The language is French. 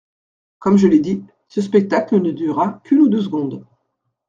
Comme je l'ai dit, ce spectacle ne dura qu'une ou deux secondes.